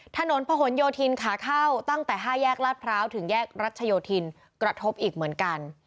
ถนนพะหนโยธินขาเข้าตั้งแต่๕แยกลาดพร้าวถึงแยกรัชโยธินกระทบอีกเหมือนกัน